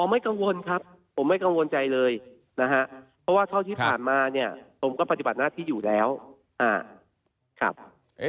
ไม่กังวลครับผมไม่กังวลใจเลยนะฮะเพราะว่าเท่าที่ผ่านมาเนี่ยผมก็ปฏิบัติหน้าที่อยู่แล้วครับ